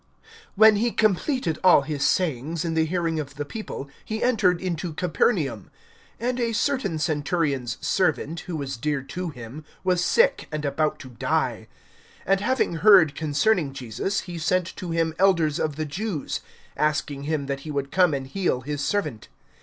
WHEN he completed all his sayings in the hearing of the people, he entered into Capernaum. (2)And a certain centurion's servant, who was dear to him, was sick and about to die. (3)And having heard concerning Jesus, he sent to him elders of the Jews, asking him that he would come and heal his servant.